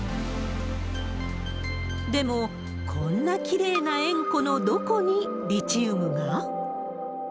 でも、こんなきれいな塩湖のどこにリチウムが？